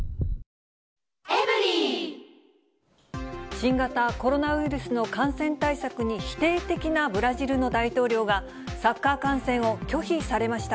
新型コロナウイルスの感染対策に否定的なブラジルの大統領が、サッカー観戦を拒否されました。